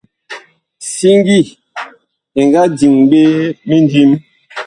Siŋgi ɛ nga diŋ ɓe mindim.